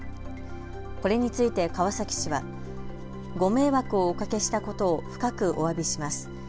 これについて川崎市はご迷惑をおかけしたことを深くおわびします。